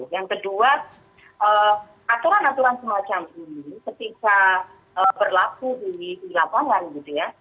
yang kedua aturan aturan semacam ini ketika berlaku di lapangan gitu ya